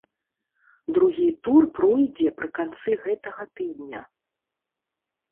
Другі тур пройдзе пры канцы гэтага тыдня.